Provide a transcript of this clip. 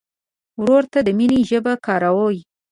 ورور ته د مینې ژبه کاروې.